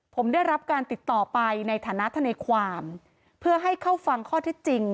ผมได้รับการติดต่อไปในฐานะทนายความเพื่อให้เข้าฟังข้อเท็จจริง